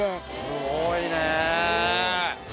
すごいね。